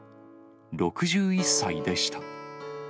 ６１歳でした。